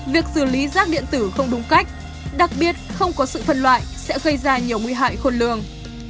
việc xử lý rác điện tử không đúng cách đặc biệt không có sự phân loại sẽ gây ra nhiều nguy hại khôn lường